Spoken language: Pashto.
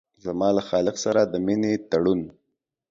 زما له خالق سره د مينې تړون